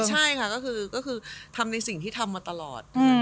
ใช่ค่ะก็คือทำในสิ่งที่ทำมาตลอด